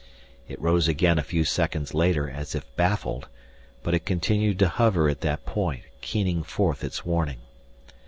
It rose again a few seconds later as if baffled, but it continued to hover at that point, keening forth its warning.